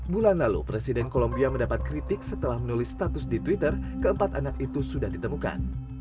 bulan lalu presiden kolombia mendapat kritik setelah menulis status di twitter keempat anak itu sudah ditemukan